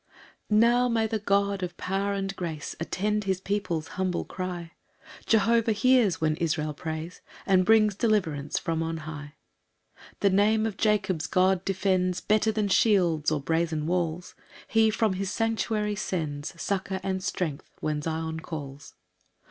1 Now may the God of power and grace Attend his people's humble cry! Jehovah hears when Israel prays, And brings deliverance from on high. 2 The name of Jacob's God defends Better than shields or brazen walls; He from his sanctuary sends Succour and strength, when Zion calls.